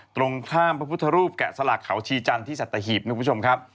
ตรงข้ามประพุทธรูปแกะสลักเขาชีจรรย์ที่สัตหิบนะครับ